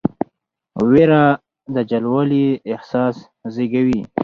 ویره د جلاوالي احساس زېږوي.